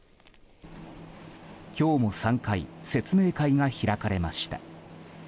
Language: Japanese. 今日も３回説明会が開かれました。